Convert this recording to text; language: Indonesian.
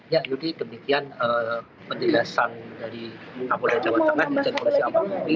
ya yudi demikian penjelasan dari amulai jawa tengah menjelaskan polisi amal murni